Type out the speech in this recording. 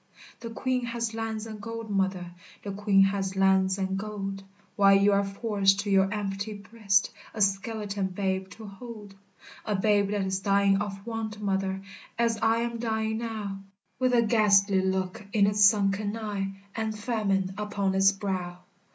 The Queen has lands and gold, mother, The Queen has lands and gold, While you are forced to your empty breast A skeleton babe to hold, A babe that is dying of want, mother, As I am dying now, With a ghastly look in its sunken eye, And famine upon its brow.